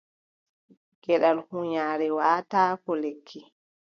Geɗal hunyaare waʼataako lekki.